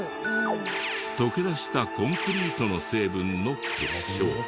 溶け出したコンクリートの成分の結晶。